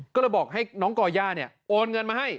ก็เลยบอกให้น้องก่อย่าโอนเงินมาให้